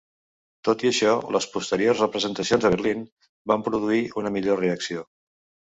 Tot i això, les posteriors representacions a Berlín van produir una millor reacció.